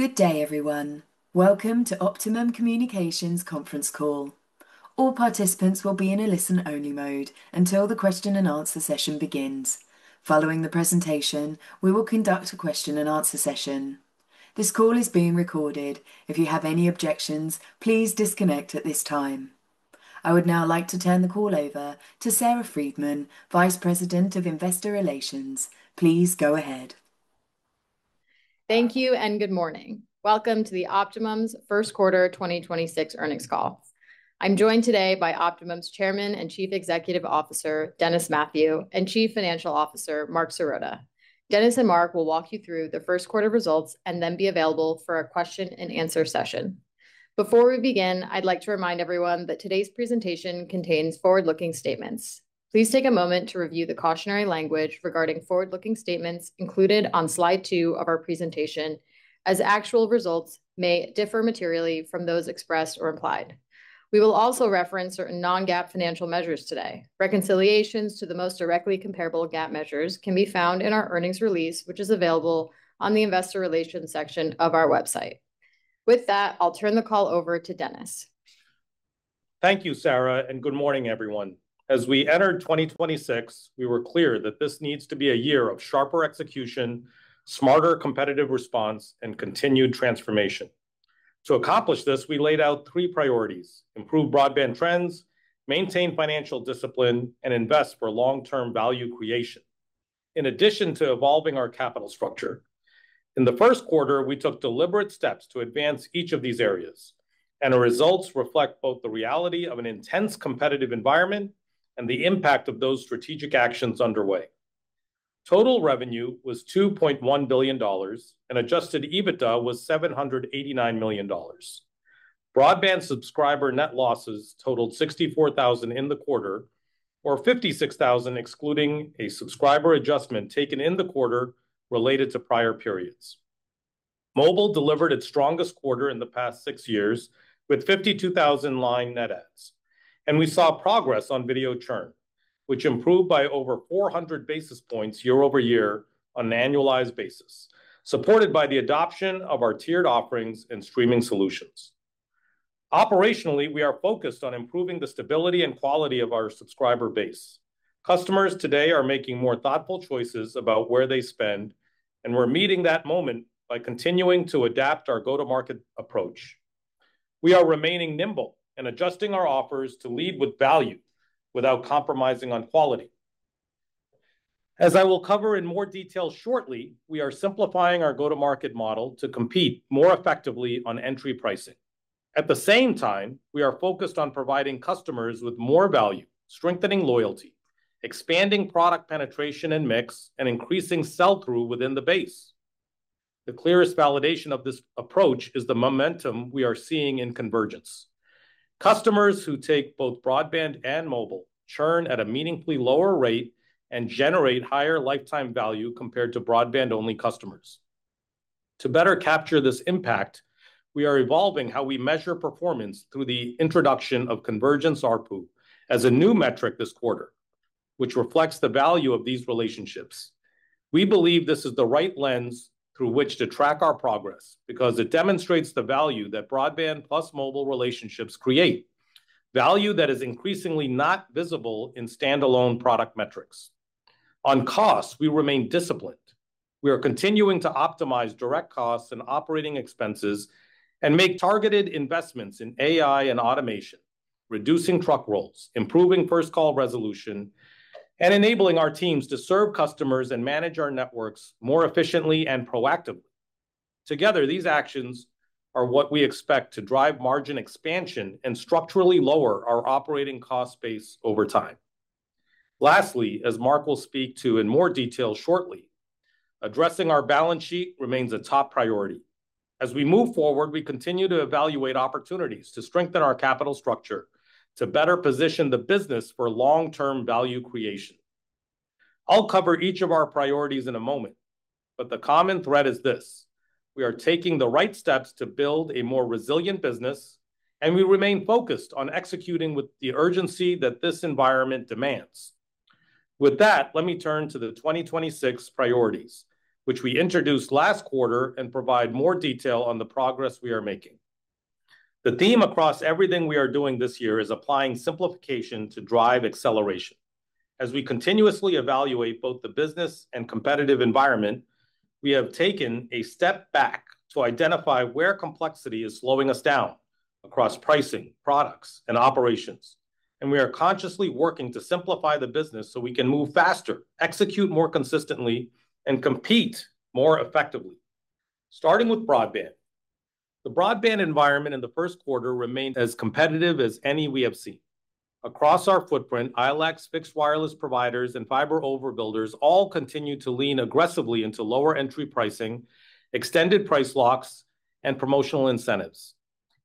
Good day, everyone. Welcome to Optimum Communications conference call. All participants will be in a listen-only mode until the question-and-answer session begins. Following the presentation, we will conduct a question-and-answer session. This call is being recorded. If you have any objections, please disconnect at this time. I would now like to turn the call over to Sarah Freedman, Vice President of Investor Relations. Please go ahead. Thank you. Good morning. Welcome to Optimum's Q1 2026 earnings call. I'm joined today by Optimum's Chairman and Chief Executive Officer, Dennis Mathew, and Chief Financial Officer, Marc Sirota. Dennis and Marc will walk you through the Q1 results and then be available for a question-and-answer session. Before we begin, I'd like to remind everyone that today's presentation contains forward-looking statements. Please take a moment to review the cautionary language regarding forward-looking statements included on slide two of our presentation, as actual results may differ materially from those expressed or implied. We will also reference certain non-GAAP financial measures today. Reconciliations to the most directly comparable GAAP measures can be found in our earnings release, which is available on the investor relations section of our website. With that, I'll turn the call over to Dennis. Thank you, Sarah, and good morning, everyone. As we entered 2026, we were clear that this needs to be a year of sharper execution, smarter competitive response, and continued transformation. To accomplish this, we laid out three priorities. Improve broadband trends, maintain financial discipline, and invest for long-term value creation. In addition to evolving our capital structure, in the first quarter we took deliberate steps to advance each of these areas, and our results reflect both the reality of an intense competitive environment and the impact of those strategic actions underway. Total revenue was $2.1 billion and adjusted EBITDA was $789 million. Broadband subscriber net losses totaled 64,000 in the quarter or 56,000 excluding a subscriber adjustment taken in the quarter related to prior periods. Mobile delivered its strongest quarter in the past six years with 52,000 line net adds. We saw progress on video churn, which improved by over 400 basis points year-over-year on an annualized basis, supported by the adoption of our tiered offerings and streaming solutions. Operationally, we are focused on improving the stability and quality of our subscriber base. Customers today are making more thoughtful choices about where they spend, and we're meeting that moment by continuing to adapt our go-to-market approach. We are remaining nimble and adjusting our offers to lead with value without compromising on quality. As I will cover in more detail shortly, we are simplifying our go-to-market model to compete more effectively on entry pricing. At the same time, we are focused on providing customers with more value, strengthening loyalty, expanding product penetration and mix, and increasing sell-through within the base. The clearest validation of this approach is the momentum we are seeing in convergence. Customers who take both broadband and mobile churn at a meaningfully lower rate and generate higher lifetime value compared to broadband-only customers. To better capture this impact, we are evolving how we measure performance through the introduction of convergence ARPU as a new metric this quarter, which reflects the value of these relationships. We believe this is the right lens through which to track our progress because it demonstrates the value that broadband plus mobile relationships create, value that is increasingly not visible in stand-alone product metrics. On cost, we remain disciplined. We are continuing to optimize direct costs and operating expenses and make targeted investments in AI and automation, reducing truck rolls, improving first call resolution, and enabling our teams to serve customers and manage our networks more efficiently and proactively. Together, these actions are what we expect to drive margin expansion and structurally lower our operating cost base over time. Lastly, as Marc will speak to in more detail shortly, addressing our balance sheet remains a top priority. As we move forward, we continue to evaluate opportunities to strengthen our capital structure to better position the business for long-term value creation. I'll cover each of our priorities in a moment, but the common thread is this: We are taking the right steps to build a more resilient business, and we remain focused on executing with the urgency that this environment demands. With that, let me turn to the 2026 priorities, which we introduced last quarter and provide more detail on the progress we are making. The theme across everything we are doing this year is applying simplification to drive acceleration. As we continuously evaluate both the business and competitive environment, we have taken a step back to identify where complexity is slowing us down across pricing, products, and operations, and we are consciously working to simplify the business so we can move faster, execute more consistently, and compete more effectively. Starting with broadband. The broadband environment in the first quarter remained as competitive as any we have seen. Across our footprint, ILECs, fixed wireless providers and fiber overbuilders all continue to lean aggressively into lower entry pricing, extended price locks, and promotional incentives.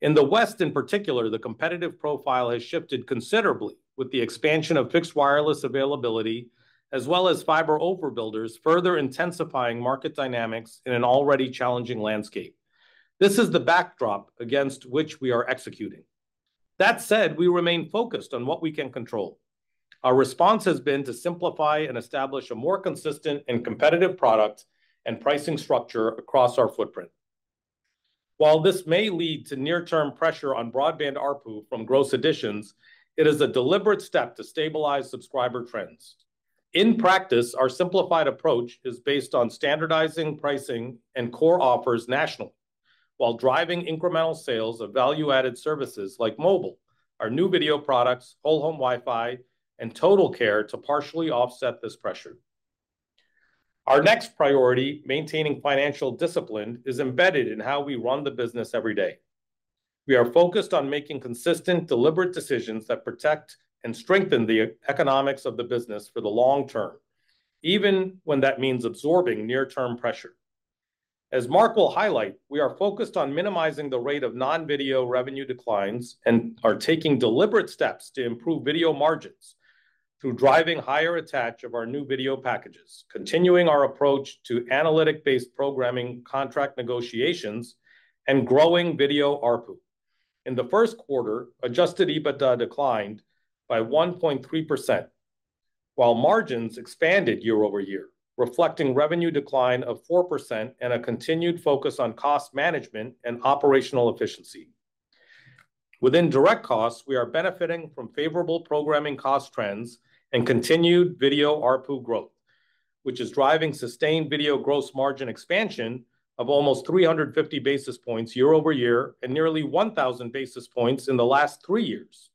In the West in particular, the competitive profile has shifted considerably with the expansion of fixed wireless availability as well as fiber overbuilders further intensifying market dynamics in an already challenging landscape. This is the backdrop against which we are executing. That said, we remain focused on what we can control. Our response has been to simplify and establish a more consistent and competitive product and pricing structure across our footprint. While this may lead to near-term pressure on broadband ARPU from gross additions, it is a deliberate step to stabilize subscriber trends. In practice, our simplified approach is based on standardizing pricing and core offers nationally, while driving incremental sales of value-added services like mobile, our new video products, Optimum Whole Home Wi-Fi, and Optimum Total Care to partially offset this pressure. Our next priority, maintaining financial discipline, is embedded in how we run the business every day. We are focused on making consistent, deliberate decisions that protect and strengthen the economics of the business for the long term, even when that means absorbing near-term pressure. As Marc will highlight, we are focused on minimizing the rate of non-video revenue declines and are taking deliberate steps to improve video margins through driving higher attach of our new video packages, continuing our approach to analytic-based programming contract negotiations, and growing video ARPU. In Q1, adjusted EBITDA declined by 1.3%, while margins expanded year-over-year, reflecting revenue decline of 4% and a continued focus on cost management and operational efficiency. Within direct costs, we are benefiting from favorable programming cost trends and continued video ARPU growth, which is driving sustained video gross margin expansion of almost 350 basis points year-over-year and nearly 1,000 basis points in the last three years.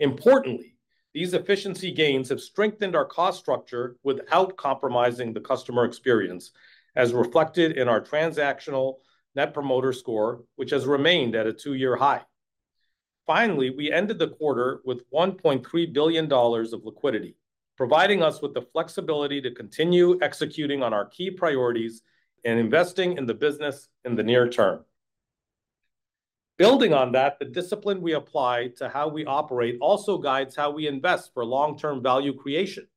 Importantly, these efficiency gains have strengthened our cost structure without compromising the customer experience, as reflected in our transactional Net Promoter Score, which has remained at a two-year high. Finally, we ended the quarter with $1.3 billion of liquidity, providing us with the flexibility to continue executing on our key priorities and investing in the business in the near term. Building on that, the discipline we apply to how we operate also guides how we invest for long-term value creation.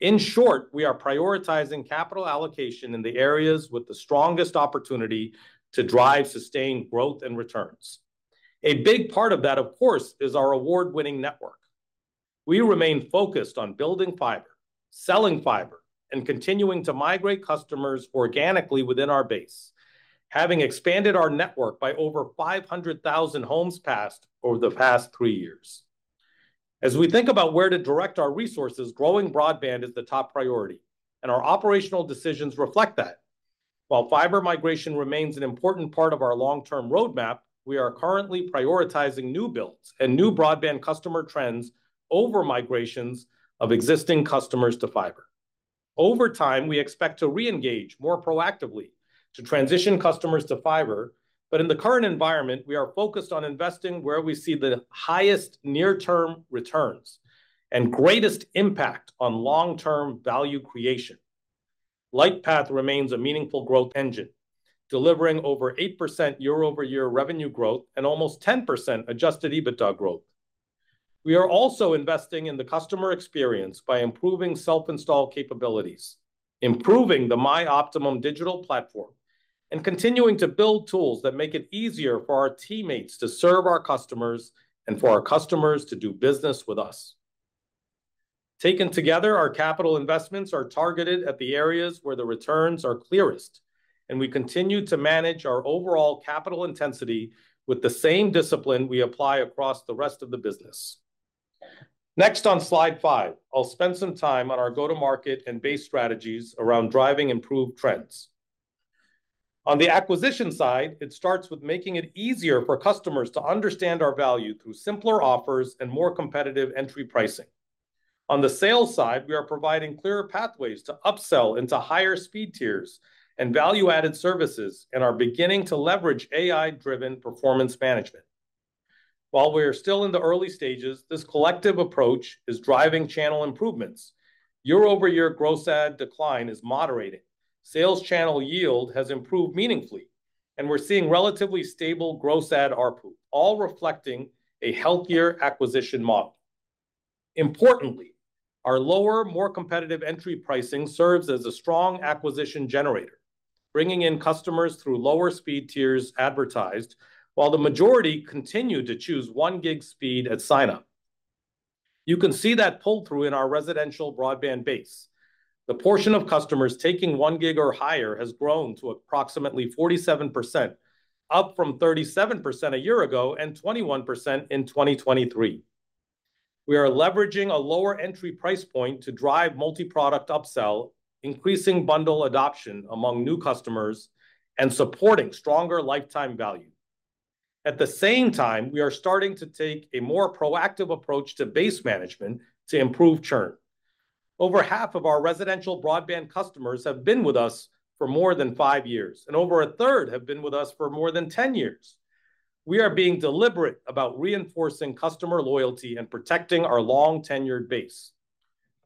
In short, we are prioritizing capital allocation in the areas with the strongest opportunity to drive sustained growth and returns. A big part of that, of course, is our award-winning network. We remain focused on building fiber, selling fiber, and continuing to migrate customers organically within our base, having expanded our network by over 500,000 homes passed over the past three years. As we think about where to direct our resources, growing broadband is the top priority, and our operational decisions reflect that. While fiber migration remains an important part of our long-term roadmap, we are currently prioritizing new builds and new broadband customer trends over migrations of existing customers to fiber. Over time, we expect to reengage more proactively to transition customers to fiber, but in the current environment, we are focused on investing where we see the highest near-term returns and greatest impact on long-term value creation. Lightpath remains a meaningful growth engine, delivering over 8% year-over-year revenue growth and almost 10% adjusted EBITDA growth. We are also investing in the customer experience by improving self-install capabilities, improving the My Optimum digital platform, and continuing to build tools that make it easier for our teammates to serve our customers and for our customers to do business with us. Taken together, our capital investments are targeted at the areas where the returns are clearest, and we continue to manage our overall capital intensity with the same discipline we apply across the rest of the business. Next, on slide five, I'll spend some time on our go-to-market and base strategies around driving improved trends. On the acquisition side, it starts with making it easier for customers to understand our value through simpler offers and more competitive entry pricing. On the sales side, we are providing clearer pathways to upsell into higher speed tiers and value-added services and are beginning to leverage AI-driven performance management. While we are still in the early stages, this collective approach is driving channel improvements. Year-over-year gross add decline is moderating. Sales channel yield has improved meaningfully, and we're seeing relatively stable gross add ARPU, all reflecting a healthier acquisition model. Our lower, more competitive entry pricing serves as a strong acquisition generator, bringing in customers through lower speed tiers advertised while the majority continue to choose one gig speed at sign-up. You can see that pull-through in our residential broadband base. The portion of customers taking one gig or higher has grown to approximately 47%, up from 37% a year ago and 21% in 2023. We are leveraging a lower entry price point to drive multi-product upsell, increasing bundle adoption among new customers and supporting stronger lifetime value. At the same time, we are starting to take a more proactive approach to base management to improve churn. Over half of our residential broadband customers have been with us for more than five years, and over a third have been with us for more than 10 years. We are being deliberate about reinforcing customer loyalty and protecting our long-tenured base.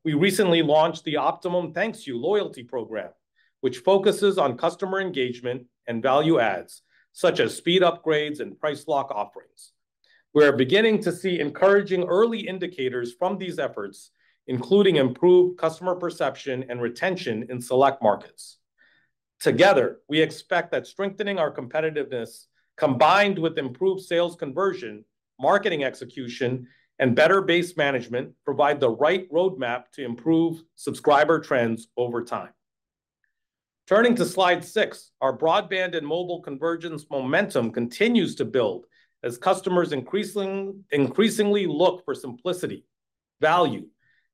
We recently launched the Optimum Thank You loyalty program, which focuses on customer engagement and value adds, such as speed upgrades and price lock offerings. We are beginning to see encouraging early indicators from these efforts, including improved customer perception and retention in select markets. Together, we expect that strengthening our competitiveness, combined with improved sales conversion, marketing execution, and better base management provide the right roadmap to improve subscriber trends over time. Turning to slide six, our broadband and mobile convergence momentum continues to build as customers increasingly look for simplicity, value,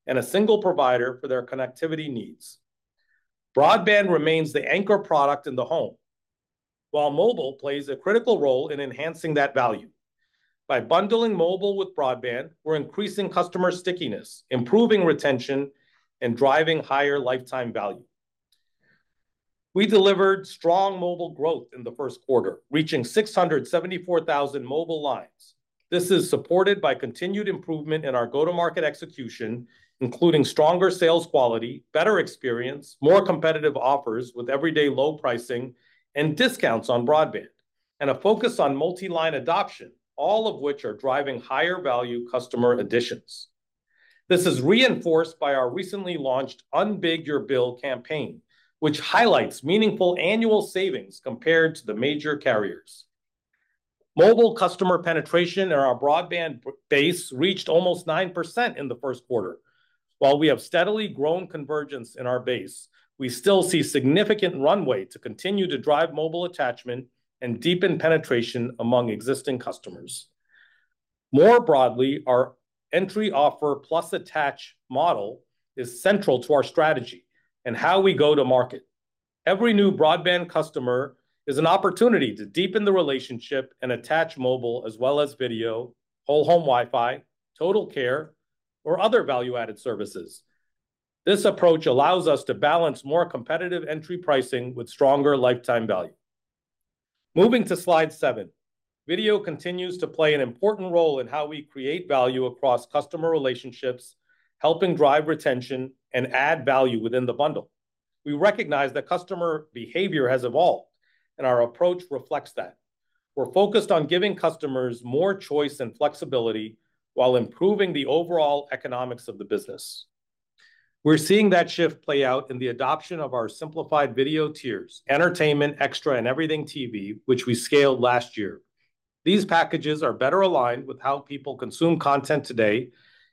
and a single provider for their connectivity needs. Broadband remains the anchor product in the home, while mobile plays a critical role in enhancing that value. By bundling mobile with broadband, we're increasing customer stickiness, improving retention, and driving higher lifetime value. We delivered strong mobile growth in Q1, reaching 674,000 mobile lines. This is supported by continued improvement in our go-to-market execution, including stronger sales quality, better experience, more competitive offers with everyday low pricing and discounts on broadband, and a focus on multi-line adoption, all of which are driving higher value customer additions. This is reinforced by our recently launched Unbig Your Bill campaign, which highlights meaningful annual savings compared to the major carriers. Mobile customer penetration in our broadband base reached almost 9% in the first quarter. While we have steadily grown convergence in our base, we still see significant runway to continue to drive mobile attachment and deepen penetration among existing customers. More broadly, our entry offer plus attach model is central to our strategy and how we go to market. Every new broadband customer is an opportunity to deepen the relationship and attach mobile as well as video, whole-home Wi-Fi, Total Care, or other value-added services. This approach allows us to balance more competitive entry pricing with stronger lifetime value. Moving to slide seven, video continues to play an important role in how we create value across customer relationships, helping drive retention and add value within the bundle. We recognize that customer behavior has evolved, and our approach reflects that. We're focused on giving customers more choice and flexibility while improving the overall economics of the business. We're seeing that shift play out in the adoption of our simplified video tiers, Entertainment, Extra, and Everything TV, which we scaled last year. These packages are better aligned with how people consume content today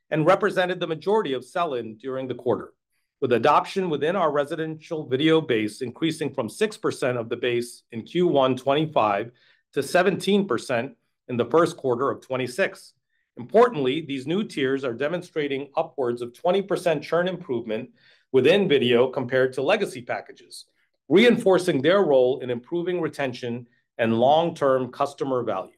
and represented the majority of sell-in during the quarter, with adoption within our residential video base increasing from 6% of the base in Q1 2025 to 17% in Q1 of 2026. Importantly, these new tiers are demonstrating upwards of 20% churn improvement within video compared to legacy packages, reinforcing their role in improving retention and long-term customer value.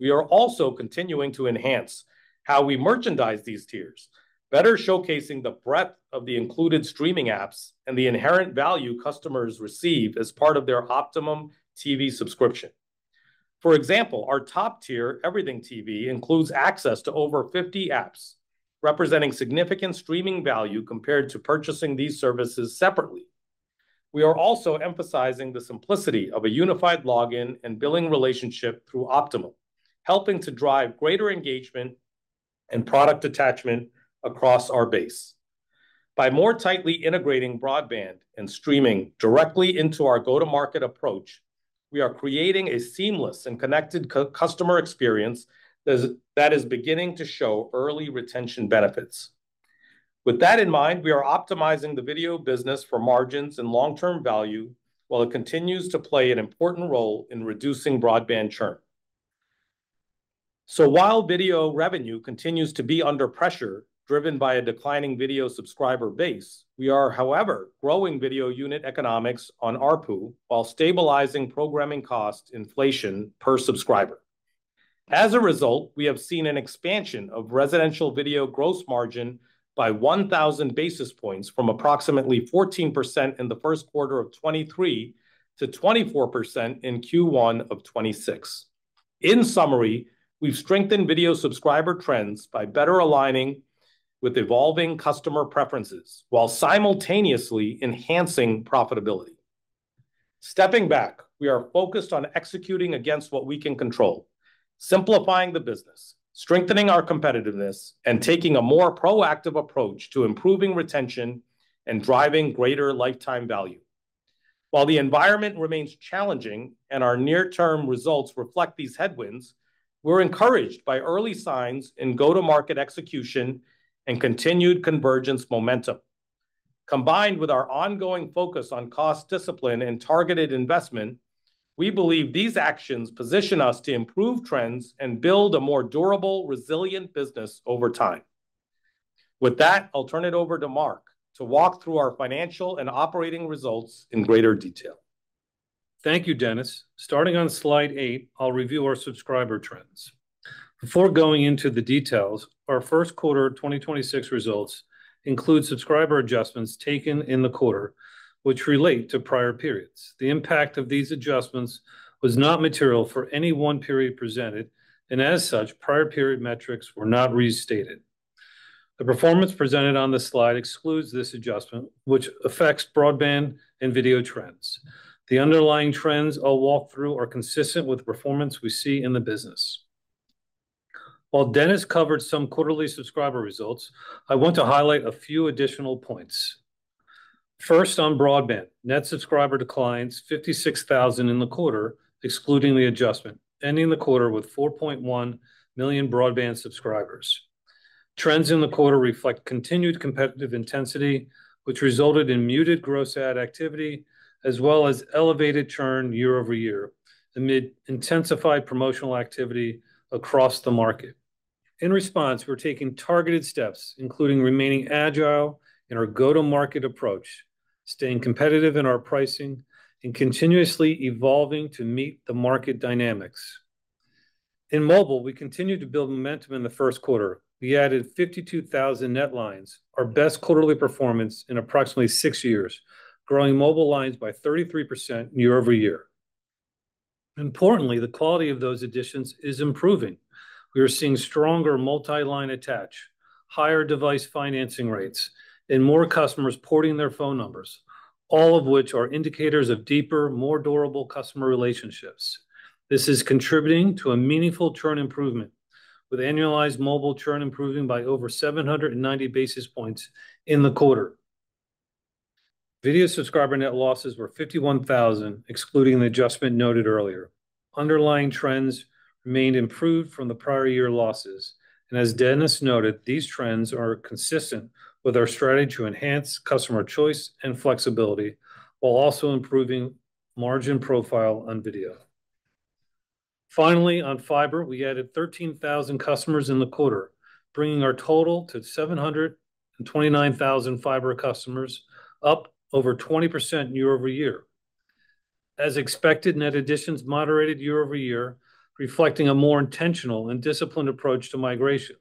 We are also continuing to enhance how we merchandise these tiers, better showcasing the breadth of the included streaming apps and the inherent value customers receive as part of their Optimum TV subscription. For example, our top tier, Everything TV, includes access to over 50 apps, representing significant streaming value compared to purchasing these services separately. We are also emphasizing the simplicity of a unified login and billing relationship through Optimum, helping to drive greater engagement and product attachment across our base. By more tightly integrating broadband and streaming directly into our go-to-market approach, we are creating a seamless and connected customer experience that is beginning to show early retention benefits. With that in mind, we are optimizing the video business for margins and long-term value, while it continues to play an important role in reducing broadband churn. While video revenue continues to be under pressure, driven by a declining video subscriber base, we are, however, growing video unit economics on ARPU while stabilizing programming cost inflation per subscriber. As a result, we have seen an expansion of residential video gross margin by 1,000 basis points from approximately 14% in Q1 of 2023 to 24% in Q1 of 2026. In summary, we've strengthened video subscriber trends by better aligning with evolving customer preferences while simultaneously enhancing profitability. Stepping back, we are focused on executing against what we can control, simplifying the business, strengthening our competitiveness, and taking a more proactive approach to improving retention and driving greater lifetime value. While the environment remains challenging and our near-term results reflect these headwinds, we're encouraged by early signs in go-to-market execution and continued convergence momentum. Combined with our ongoing focus on cost discipline and targeted investment, we believe these actions position us to improve trends and build a more durable, resilient business over time. With that, I'll turn it over to Marc to walk through our financial and operating results in greater detail. Thank you, Dennis. Starting on slide eight, I'll review our subscriber trends. Before going into the details, our Q1 of 2026 results include subscriber adjustments taken in the quarter which relate to prior periods. The impact of these adjustments was not material for any one period presented, and as such, prior period metrics were not restated. The performance presented on this slide excludes this adjustment, which affects broadband and video trends. The underlying trends I'll walk through are consistent with the performance we see in the business. While Dennis covered some quarterly subscriber results, I want to highlight a few additional points. First, on broadband, net subscriber declines 56,000 in the quarter, excluding the adjustment, ending the quarter with 4.1 million broadband subscribers. Trends in the quarter reflect continued competitive intensity, which resulted in muted gross add activity, as well as elevated churn year-over-year, amid intensified promotional activity across the market. In response, we're taking targeted steps, including remaining agile in our go-to-market approach, staying competitive in our pricing, and continuously evolving to meet the market dynamics. In mobile, we continued to build momentum in the first quarter. We added 52,000 net lines, our best quarterly performance in approximately six years, growing mobile lines by 33% year-over-year. Importantly, the quality of those additions is improving. We are seeing stronger multi-line attach, higher device financing rates, and more customers porting their phone numbers, all of which are indicators of deeper, more durable customer relationships. This is contributing to a meaningful churn improvement, with annualized mobile churn improving by over 790 basis points in the quarter. Video subscriber net losses were 51,000, excluding the adjustment noted earlier. Underlying trends remained improved from the prior year losses. As Dennis noted, these trends are consistent with our strategy to enhance customer choice and flexibility, while also improving margin profile on video. On fiber, we added 13,000 customers in the quarter, bringing our total to 729,000 fiber customers, up over 20% year-over-year. As expected, net additions moderated year-over-year, reflecting a more intentional and disciplined approach to migrations.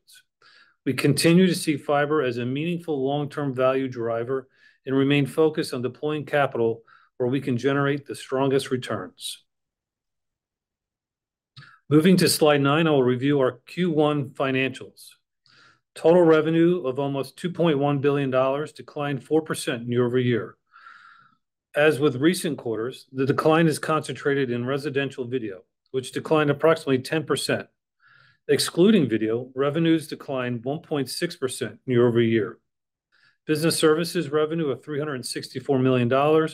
We continue to see fiber as a meaningful long-term value driver and remain focused on deploying capital where we can generate the strongest returns. Moving to slide nine, I will review our Q1 financials. Total revenue of almost $2.1 billion declined 4% year-over-year. As with recent quarters, the decline is concentrated in residential video, which declined approximately 10%. Excluding video, revenues declined 1.6% year-over-year. Business services revenue of $364 million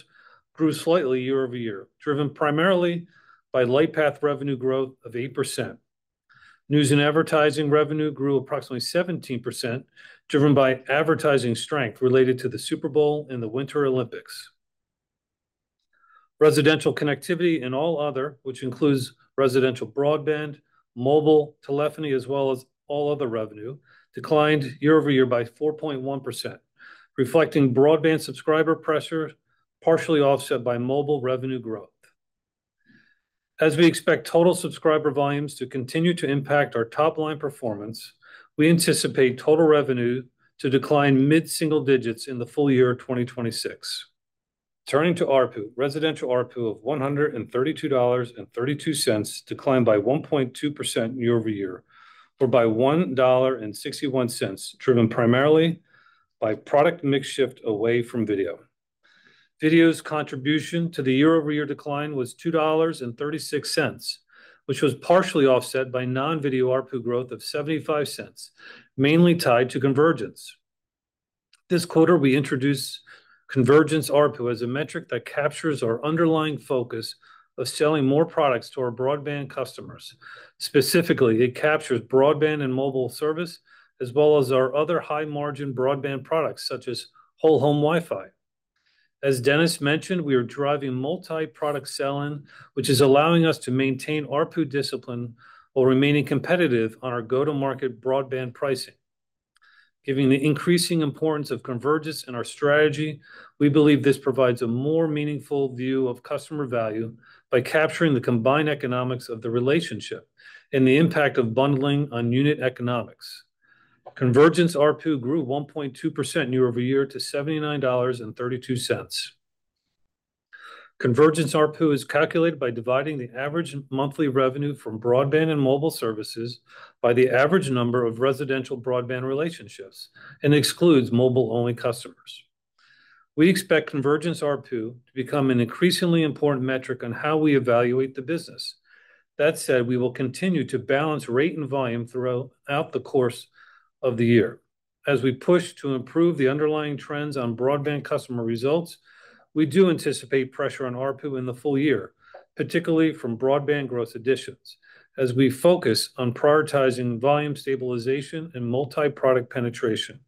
grew slightly year-over-year, driven primarily by Lightpath revenue growth of 8%. News and advertising revenue grew approximately 17%, driven by advertising strength related to the Super Bowl and the Winter Olympics. Residential connectivity and all other, which includes residential broadband, mobile telephony, as well as all other revenue, declined year-over-year by 4.1%, reflecting broadband subscriber pressure partially offset by mobile revenue growth. As we expect total subscriber volumes to continue to impact our top line performance, we anticipate total revenue to decline mid-single digits in the full year of 2026. Turning to ARPU, residential ARPU of $132.32 declined by 1.2% year-over-year, or by $1.61, driven primarily by product mix shift away from video. Video's contribution to the year-over-year decline was $2.36, which was partially offset by non-video ARPU growth of $0.75, mainly tied to convergence. This quarter, we introduced convergence ARPU as a metric that captures our underlying focus of selling more products to our broadband customers. Specifically, it captures broadband and mobile service, as well as our other high margin broadband products, such as Whole Home Wi-Fi. As Dennis mentioned, we are driving multi-product selling, which is allowing us to maintain ARPU discipline while remaining competitive on our go-to-market broadband pricing. Given the increasing importance of convergence in our strategy, we believe this provides a more meaningful view of customer value by capturing the combined economics of the relationship and the impact of bundling on unit economics. Convergence ARPU grew 1.2% year-over-year to $79.32. Convergence ARPU is calculated by dividing the average monthly revenue from broadband and mobile services by the average number of residential broadband relationships and excludes mobile-only customers. We expect convergence ARPU to become an increasingly important metric on how we evaluate the business. That said, we will continue to balance rate and volume throughout the course of the year. As we push to improve the underlying trends on broadband customer results, we do anticipate pressure on ARPU in the full year, particularly from broadband growth additions, as we focus on prioritizing volume stabilization and multi-product penetration.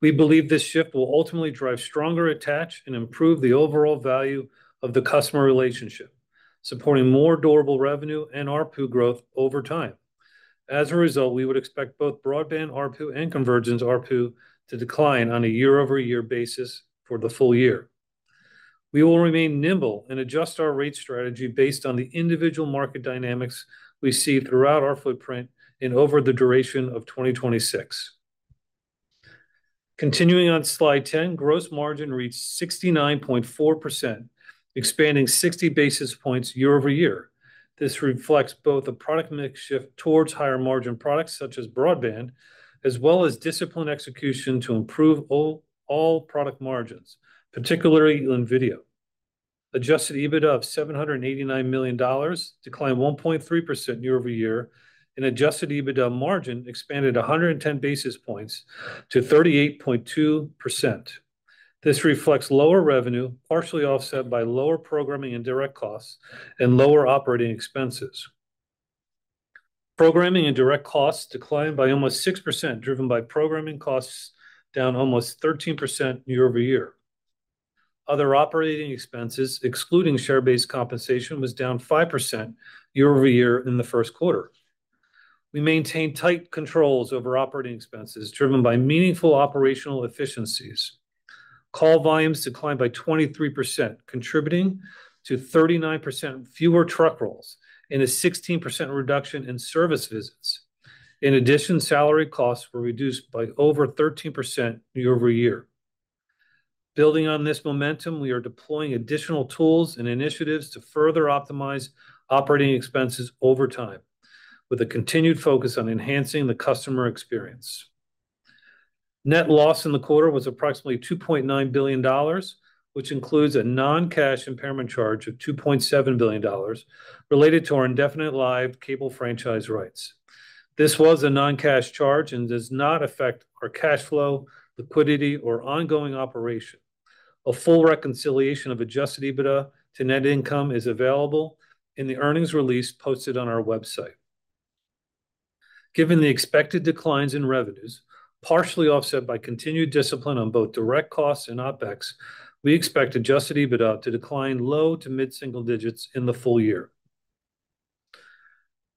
We believe this shift will ultimately drive stronger attach and improve the overall value of the customer relationship, supporting more durable revenue and ARPU growth over time. As a result, we would expect both broadband ARPU and convergence ARPU to decline on a year-over-year basis for the full year. We will remain nimble and adjust our rate strategy based on the individual market dynamics we see throughout our footprint and over the duration of 2026. Continuing on slide 10, gross margin reached 69.4%, expanding 60 basis points year-over-year. This reflects both a product mix shift towards higher margin products such as broadband, as well as disciplined execution to improve all product margins, particularly in video. Adjusted EBITDA of $789 million declined 1.3% year-over-year, and Adjusted EBITDA margin expanded 110 basis points to 38.2%. This reflects lower revenue, partially offset by lower programming and direct costs and lower operating expenses. Programming and direct costs declined by almost 6%, driven by programming costs down almost 13% year-over-year. Other operating expenses, excluding share-based compensation, was down 5% year-over-year in the first quarter. We maintained tight controls over operating expenses, driven by meaningful operational efficiencies. Call volumes declined by 23%, contributing to 39% fewer truck rolls and a 16% reduction in service visits. In addition, salary costs were reduced by over 13% year-over-year. Building on this momentum, we are deploying additional tools and initiatives to further optimize operating expenses over time, with a continued focus on enhancing the customer experience. Net loss in the quarter was approximately $2.9 billion, which includes a non-cash impairment charge of $2.7 billion related to our indefinite-lived cable franchise rights. This was a non-cash charge and does not affect our cash flow, liquidity, or ongoing operation. A full reconciliation of adjusted EBITDA to net income is available in the earnings release posted on our website. Given the expected declines in revenues, partially offset by continued discipline on both direct costs and OpEx, we expect adjusted EBITDA to decline low to mid-single digits in the full year.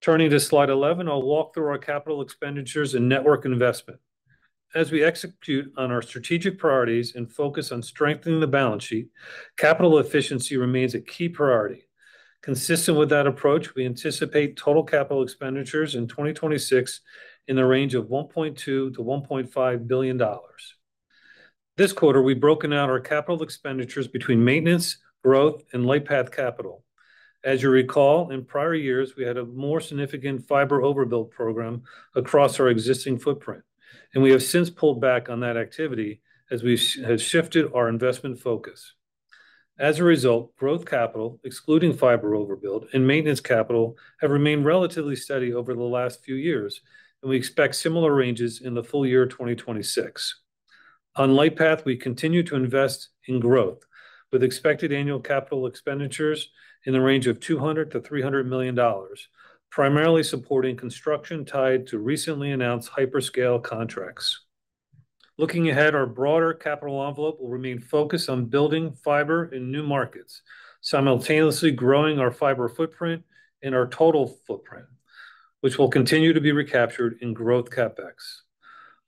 Turning to slide 11, I'll walk through our CapEx and network investment. As we execute on our strategic priorities and focus on strengthening the balance sheet, capital efficiency remains a key priority. Consistent with that approach, we anticipate total CapEx in 2026 in the range of $1.2 billion-$1.5 billion. This quarter, we've broken out our CapEx between maintenance, growth, and Lightpath capital. As you recall, in prior years, we had a more significant fiber overbuild program across our existing footprint. We have since pulled back on that activity as we have shifted our investment focus. As a result, growth capital, excluding fiber overbuild, and maintenance capital have remained relatively steady over the last few years. We expect similar ranges in the full year 2026. On Lightpath, we continue to invest in growth, with expected annual capital expenditures in the range of $200 million-$300 million, primarily supporting construction tied to recently announced hyperscale contracts. Looking ahead, our broader capital envelope will remain focused on building fiber in new markets, simultaneously growing our fiber footprint and our total footprint, which will continue to be recaptured in growth CapEx.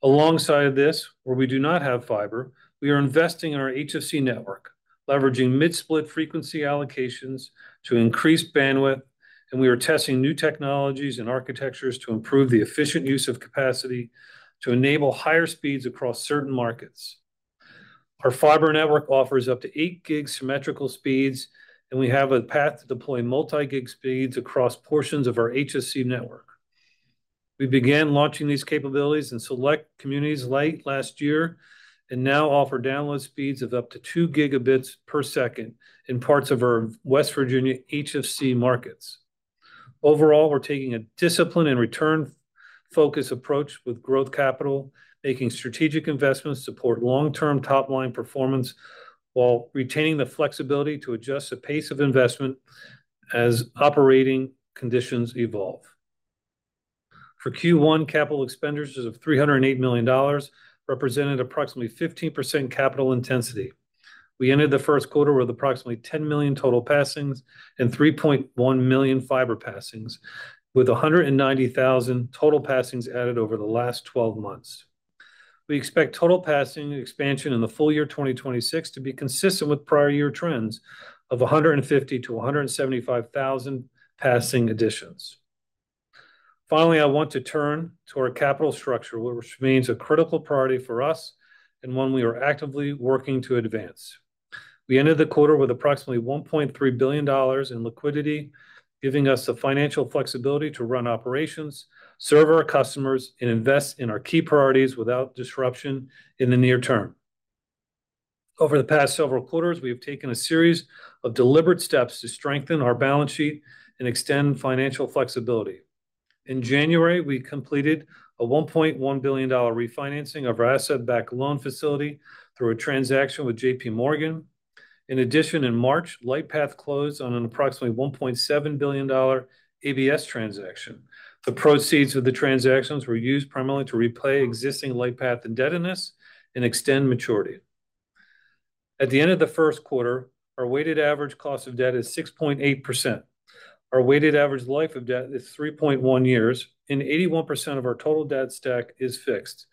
Alongside this, where we do not have fiber, we are investing in our HFC network, leveraging mid-split frequency allocations to increase bandwidth, and we are testing new technologies and architectures to improve the efficient use of capacity to enable higher speeds across certain markets. Our fiber network offers up to 8 gig symmetrical speeds, and we have a path to deploy multi-gig speeds across portions of our HFC network. We began launching these capabilities in select communities late last year and now offer download speeds of up to 2 gigabits per second in parts of our West Virginia HFC markets. Overall, we're taking a disciplined and return-focused approach with growth capital, making strategic investments support long-term top-line performance while retaining the flexibility to adjust the pace of investment as operating conditions evolve. For Q1, capital expenditures of $308 million represented approximately 15% capital intensity. We ended the Q1 with approximately 10 million total passings and 3.1 million fiber passings, with 190,000 total passings added over the last 12 months. We expect total passing expansion in the full year 2026 to be consistent with prior year trends of 150,000-175,000 passing additions. Finally, I want to turn to our capital structure, which remains a critical priority for us and one we are actively working to advance. We ended the quarter with approximately $1.3 billion in liquidity, giving us the financial flexibility to run operations, serve our customers, and invest in our key priorities without disruption in the near term. Over the past several quarters, we have taken a series of deliberate steps to strengthen our balance sheet and extend financial flexibility. In January, we completed a $1.1 billion refinancing of our asset-backed loan facility through a transaction with JPMorgan. In addition, in March, Lightpath closed on an approximately $1.7 billion ABS transaction. The proceeds of the transactions were used primarily to repay existing Lightpath indebtedness and extend maturity. At the end of the Q1, our weighted average cost of debt is 6.8%. Our weighted average life of debt is 3.1 years. 81% of our total debt stack is fixed.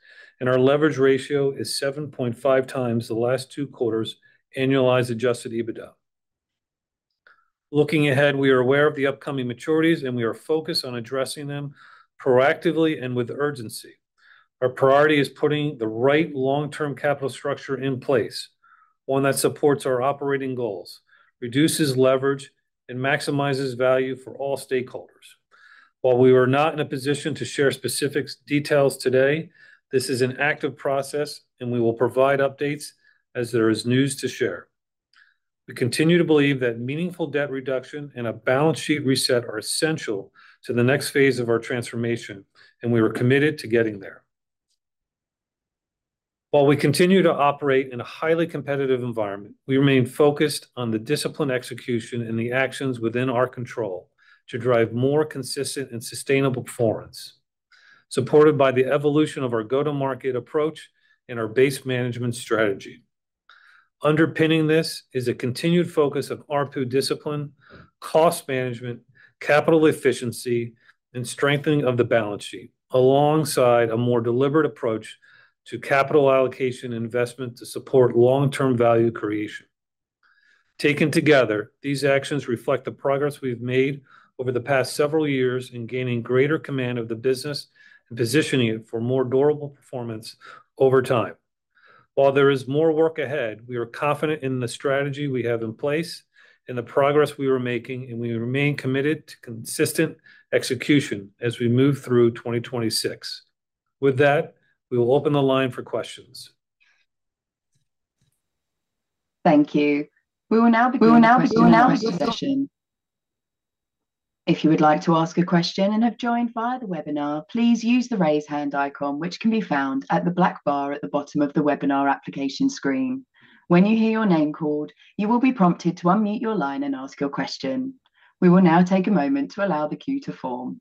Our leverage ratio is 7.5x the last two quarters' annualized adjusted EBITDA. Looking ahead, we are aware of the upcoming maturities. We are focused on addressing them proactively and with urgency. Our priority is putting the right long-term capital structure in place, one that supports our operating goals, reduces leverage. Maximizes value for all stakeholders. While we are not in a position to share specific details today, this is an active process, and we will provide updates as there is news to share. We continue to believe that meaningful debt reduction and a balance sheet reset are essential to the next phase of our transformation, and we are committed to getting there. While we continue to operate in a highly competitive environment, we remain focused on the disciplined execution and the actions within our control to drive more consistent and sustainable performance, supported by the evolution of our go-to-market approach and our base management strategy. Underpinning this is a continued focus of ARPU discipline, cost management, capital efficiency, and strengthening of the balance sheet, alongside a more deliberate approach to capital allocation investment to support long-term value creation. Taken together, these actions reflect the progress we've made over the past several years in gaining greater command of the business and positioning it for more durable performance over time. While there is more work ahead, we are confident in the strategy we have in place and the progress we are making, and we remain committed to consistent execution as we move through 2026. With that, we will open the line for questions. Thank you. We will now begin the question and answer session. If you would like to ask a question and have joined via the webinar, please use the raise hand icon, which can be found at the black bar at the bottom of the webinar application screen. When you hear your name called, you will be prompted to unmute your line and ask your question. We will now take a moment to allow the queue to form.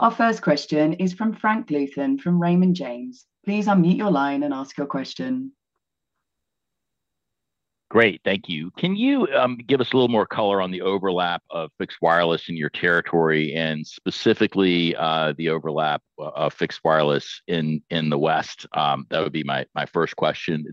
Our first question is from Frank Louthan from Raymond James. Please unmute your line and ask your question. Great. Thank you. Can you give us a little more color on the overlap of fixed wireless in your territory and specifically, the overlap of fixed wireless in the West? That would be my first question.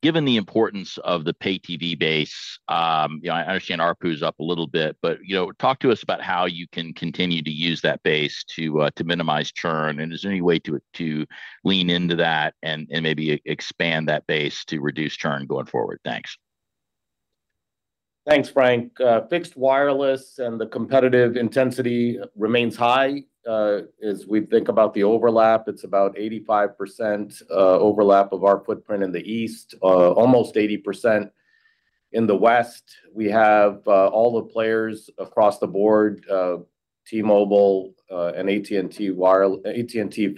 Given the importance of the pay TV base, you know, I understand ARPU is up a little bit, but, you know, talk to us about how you can continue to use that base to minimize churn, and is there any way to lean into that and maybe expand that base to reduce churn going forward? Thanks. Thanks, Frank. Fixed wireless and the competitive intensity remains high. As we think about the overlap, it's about 85% overlap of our footprint in the East, almost 80% in the West. We have all the players across the board, T-Mobile, and AT&T Internet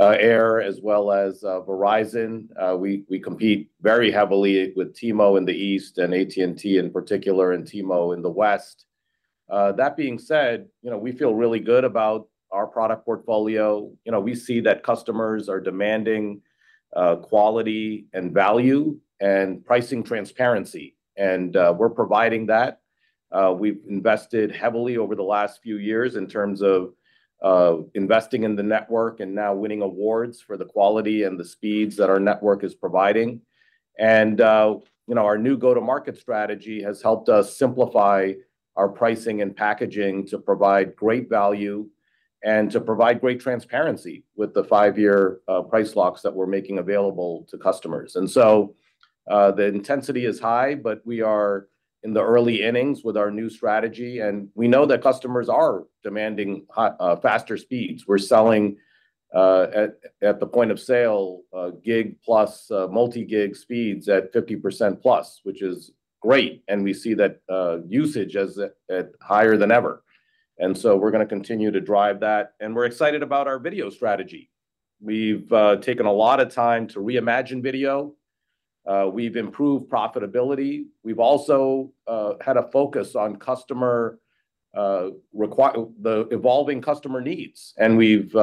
Air, as well as Verizon. We compete very heavily with T-Mobile in the East and AT&T in particular, and T-Mobile in the West. That being said, you know, we feel really good about our product portfolio. You know, we see that customers are demanding quality and value and pricing transparency, and we're providing that. We've invested heavily over the last few years in terms of investing in the network and now winning awards for the quality and the speeds that our network is providing. You know, our new go-to-market strategy has helped us simplify our pricing and packaging to provide great value and to provide great transparency with the five-year price locks that we're making available to customers. The intensity is high, but we are in the early innings with our new strategy, and we know that customers are demanding faster speeds. We're selling at the point of sale gig plus multi-gig speeds at 50% plus, which is great, and we see that usage as at higher than ever. We're going to continue to drive that, and we're excited about our video strategy. We've taken a lot of time to reimagine video. We've improved profitability. We've also had a focus on customer, the evolving customer needs, and we've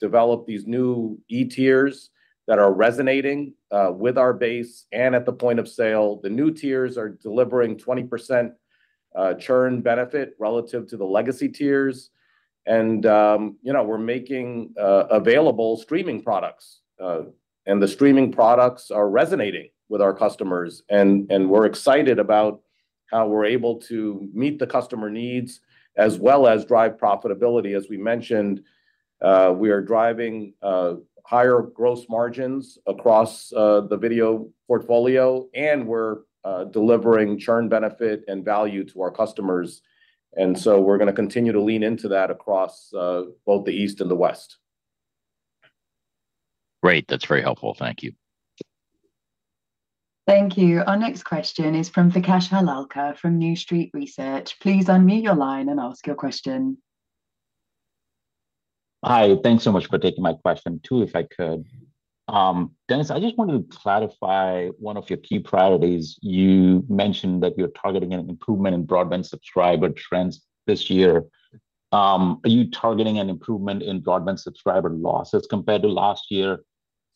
developed these new E-tiers that are resonating with our base and at the point of sale. The new tiers are delivering 20% churn benefit relative to the legacy tiers. You know, we're making available streaming products, the streaming products are resonating with our customers, we're excited about how we're able to meet the customer needs as well as drive profitability. As we mentioned, we are driving higher gross margins across the video portfolio, we're delivering churn benefit and value to our customers. We're gonna continue to lean into that across both the East and the West. Great. That's very helpful. Thank you. Thank you. Our next question is from Vikash Harlalka from New Street Research. Please unmute your line and ask your question. Hi. Thanks so much for taking my question. Two, if I could. Dennis, I just wanted to clarify one of your key priorities. You mentioned that you're targeting an improvement in broadband subscriber trends this year. Are you targeting an improvement in broadband subscriber losses compared to last year?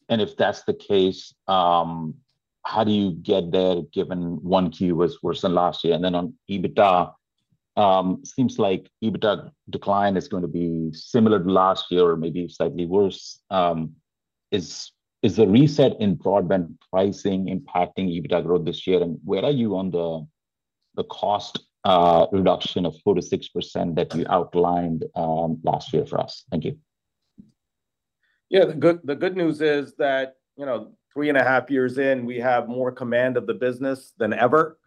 If that's the case, how do you get there given 1Q was worse than last year? On EBITDA, seems like EBITDA decline is going to be similar to last year or maybe slightly worse. Is the reset in broadband pricing impacting EBITDA growth this year? Where are you on the cost reduction of 4%-6% that you outlined last year for us? Thank you. Yeah, the good news is that, you know, three and a half years in, we have more command of the business than ever.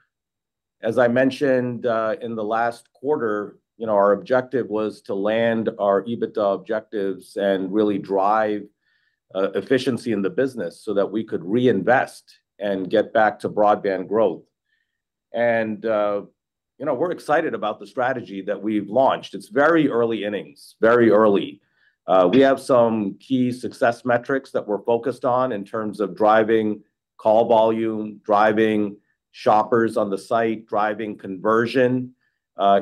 As I mentioned, in the last quarter, you know, our objective was to land our EBITDA objectives and really drive efficiency in the business so that we could reinvest and get back to broadband growth. You know, we're excited about the strategy that we've launched. It's very early innings. Very early. We have some key success metrics that we're focused on in terms of driving call volume, driving shoppers on the site, driving conversion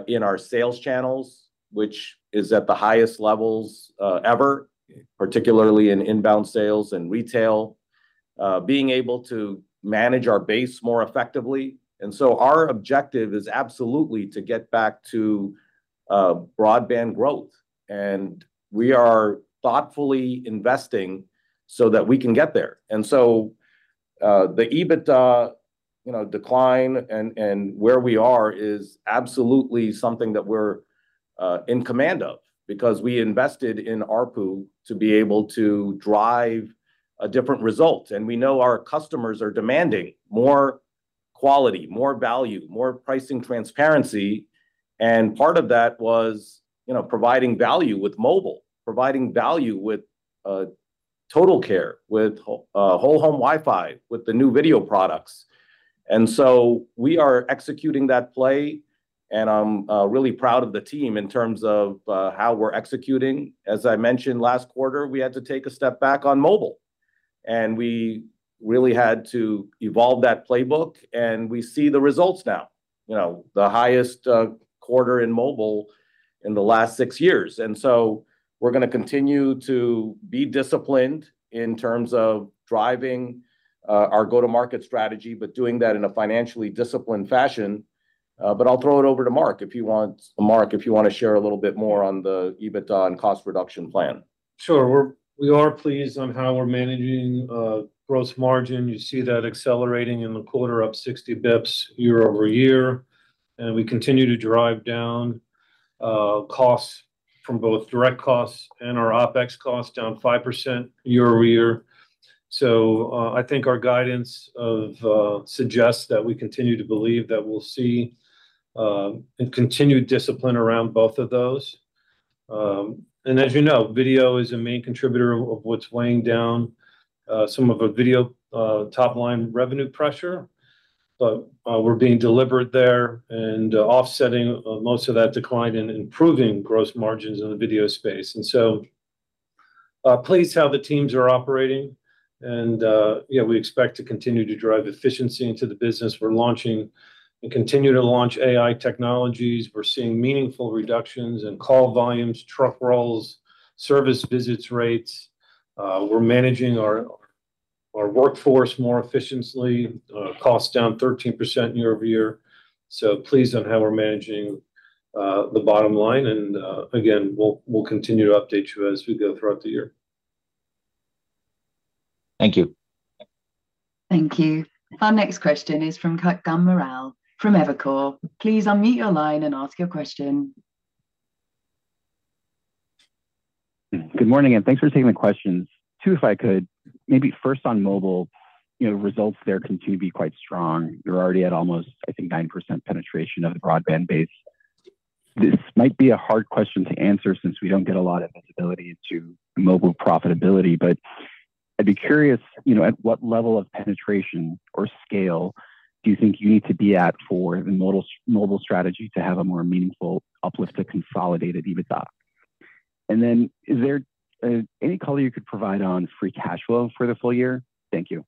in our sales channels, which is at the highest levels ever, particularly in inbound sales and retail. Being able to manage our base more effectively. Our objective is absolutely to get back to broadband growth, and we are thoughtfully investing so that we can get there. The EBITDA, you know, decline and where we are is absolutely something that we're in command of because we invested in ARPU to be able to drive a different result. We know our customers are demanding more quality, more value, more pricing transparency, and part of that was, you know, providing value with mobile, providing value with Total Care, with Whole Home Wi-Fi, with the new video products. We are executing that play, and I'm really proud of the team in terms of how we're executing. As I mentioned last quarter, we had to take a step back on mobile, and we really had to evolve that playbook, and we see the results now. You know, the highest quarter in mobile in the last six years. We're going to continue to be disciplined in terms of driving our go-to-market strategy, but doing that in a financially disciplined fashion. I'll throw it over to Marc if you want, Marc, if you want to share a little bit more on the EBITDA and cost reduction plan. Sure. We are pleased on how we're managing gross margin. You see that accelerating in the quarter, up 60 basis points year-over-year. We continue to drive down costs from both direct costs and our OpEx costs, down 5% year-over-year. I think our guidance of suggests that we continue to believe that we'll see a continued discipline around both of those. As you know, video is a main contributor of what's weighing down some of the video top-line revenue pressure. We're being deliberate there and offsetting most of that decline and improving gross margins in the video space. Pleased how the teams are operating, we expect to continue to drive efficiency into the business. We're launching and continue to launch AI technologies. We're seeing meaningful reductions in call volumes, truck rolls, service visits rates. We're managing our workforce more efficiently. Costs down 13% year-over-year. Pleased on how we're managing the bottom line. Again, we'll continue to update you as we go throughout the year. Thank you. Thank you. Our next question is from Kutgun Maral from Evercore. Please unmute your line and ask your question. Good morning. Thanks for taking the questions. Two if I could. Maybe first on mobile. You know, results there continue to be quite strong. You're already at almost, I think, 9% penetration of the broadband base. This might be a hard question to answer since we don't get a lot of visibility into mobile profitability, but I'd be curious, you know, at what level of penetration or scale do you think you need to be at for the mobile strategy to have a more meaningful uplift to consolidated EBITDA? Is there any color you could provide on free cash flow for the full year? Thank you.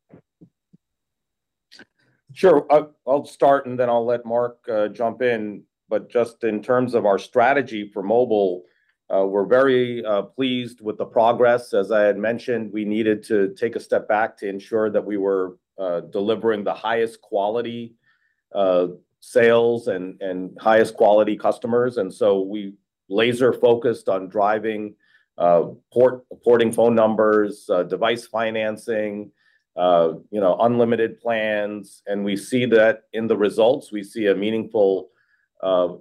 Sure. I'll start, then I'll let Marc jump in. Just in terms of our strategy for mobile, we're very pleased with the progress. As I had mentioned, we needed to take a step back to ensure that we were delivering the highest quality sales and highest quality customers. We laser focused on driving porting phone numbers, device financing, you know, unlimited plans, and we see that in the results. We see a meaningful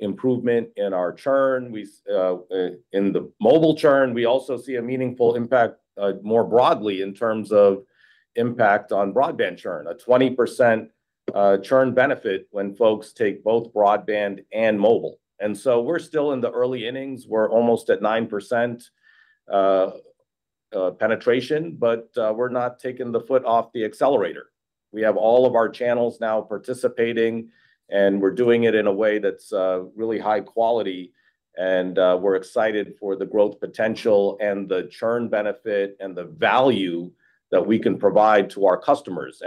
improvement in our churn. In the mobile churn, we also see a meaningful impact more broadly in terms of impact on broadband churn. A 20% churn benefit when folks take both broadband and mobile. We're still in the early innings. We're almost at 9% penetration, but we're not taking the foot off the accelerator. We have all of our channels now participating, and we're doing it in a way that's really high quality, and we're excited for the growth potential and the churn benefit and the value that we can provide to our customers.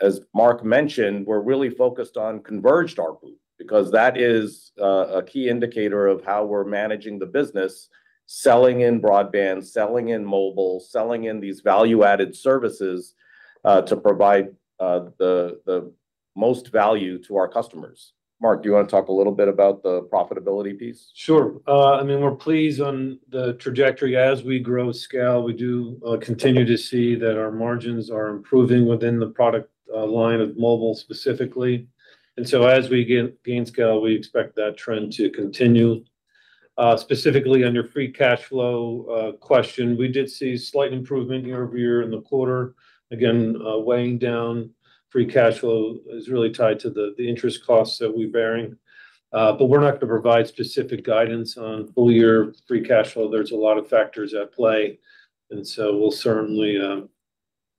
As Marc mentioned, we're really focused on converged ARPU because that is a key indicator of how we're managing the business, selling in broadband, selling in mobile, selling in these value-added services, to provide the most value to our customers. Marc, do you want to talk a little bit about the profitability piece? Sure. I mean, we're pleased on the trajectory. As we grow scale, we do continue to see that our margins are improving within the product line of mobile specifically. As we gain scale, we expect that trend to continue. Specifically under free cash flow question, we did see slight improvement year-over-year in the quarter. Again, weighing down free cash flow is really tied to the interest costs that we're bearing. We're not gonna provide specific guidance on full year free cash flow. There's a lot of factors at play, we'll certainly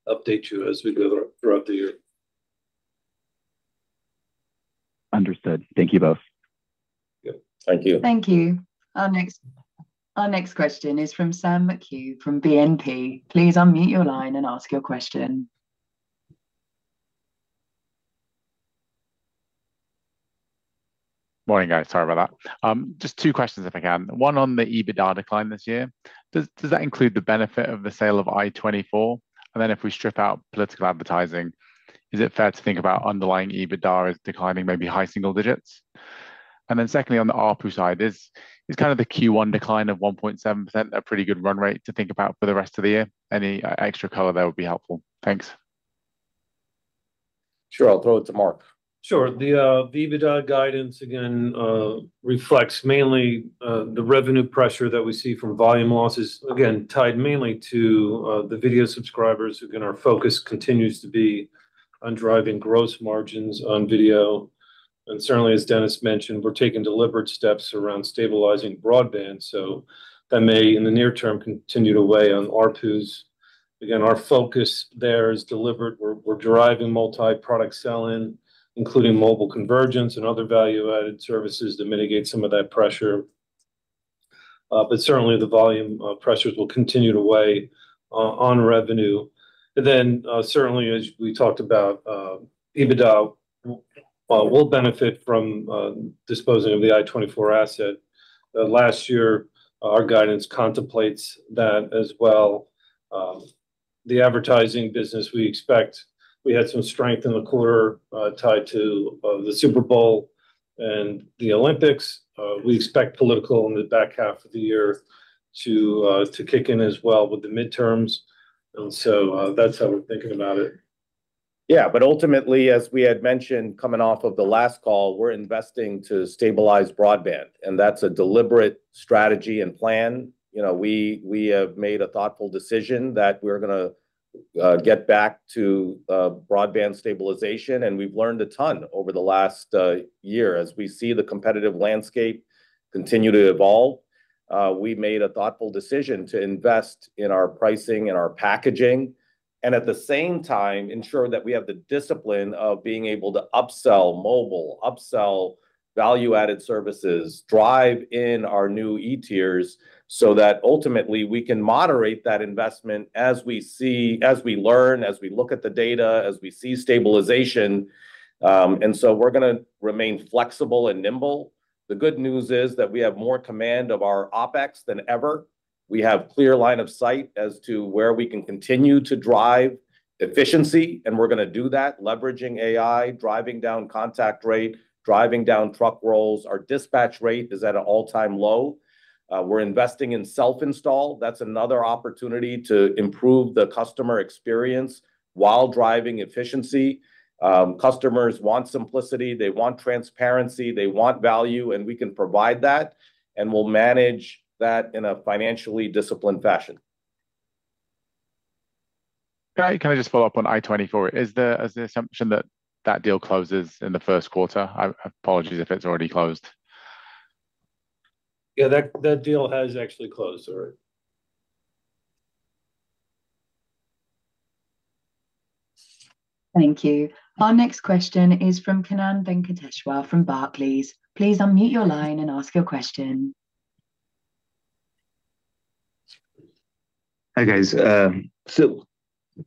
update you as we go throughout the year. Understood. Thank you both. Yep, thank you. Thank you. Our next question is from Sam McHugh from BNP. Please unmute your line and ask your question. Morning, guys. Sorry about that. Just two questions if I can. One on the EBITDA decline this year. Does that include the benefit of the sale of i24NEWS? If we strip out political advertising, is it fair to think about underlying EBITDA as declining maybe high single digits? Secondly on the ARPU side, is kind of the Q1 decline of 1.7% a pretty good run rate to think about for the rest of the year? Any extra color there would be helpful. Thanks. Sure. I'll throw it to Marc. Sure. The EBITDA guidance again reflects mainly the revenue pressure that we see from volume losses, again, tied mainly to the video subscribers. Our focus continues to be on driving gross margins on video. Certainly, as Dennis Mathew mentioned, we're taking deliberate steps around stabilizing broadband, so that may, in the near term, continue to weigh on ARPUs. Our focus there is deliberate. We're driving multi-product sell-in, including mobile convergence and other value-added services to mitigate some of that pressure. Certainly the volume pressures will continue to weigh on revenue. Certainly as we talked about, EBITDA will benefit from disposing of the i24NEWS asset. Last year our guidance contemplates that as well. The advertising business we had some strength in the quarter, tied to the Super Bowl and the Olympics. We expect political in the back half of the year to kick in as well with the midterms. That's how we're thinking about it. Ultimately, as we had mentioned coming off of the last call, we're investing to stabilize broadband, that's a deliberate strategy and plan. You know, we have made a thoughtful decision that we're gonna get back to broadband stabilization, we've learned a ton over the last year. As we see the competitive landscape continue to evolve, we made a thoughtful decision to invest in our pricing and our packaging at the same time ensure that we have the discipline of being able to upsell mobile, upsell value-added services, drive in our new E-tiers, that ultimately we can moderate that investment as we see, as we learn, as we look at the data, as we see stabilization. We're gonna remain flexible and nimble. The good news is that we have more command of our OpEx than ever. We have clear line of sight as to where we can continue to drive efficiency, and we're gonna do that leveraging AI, driving down contact rate, driving down truck rolls. Our dispatch rate is at an all-time low. We're investing in self-install. That's another opportunity to improve the customer experience while driving efficiency. Customers want simplicity, they want transparency, they want value, and we can provide that, and we'll manage that in a financially disciplined fashion. Can I just follow up on i24NEWS? Is the assumption that that deal closes in the Q1? I apologies if it's already closed. Yeah, that deal has actually closed already. Thank you. Our next question is from Kannan Venkateshwar from Barclays. Please unmute your line and ask your question. Hi, guys.